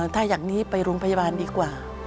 ถ้าอย่างนี้ไปโรงพยาบาลดีกว่า